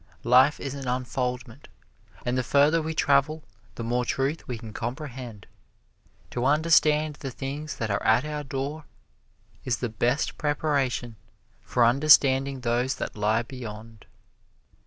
Life is an unfoldment, and the further we travel the more truth we can comprehend. To understand the things that are at our door is the best preparation for understanding those that lie beyond.